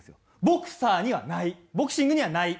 ボクサーにはないボクシングにはない。